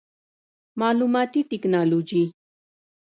معلوماتي ټکنالوجي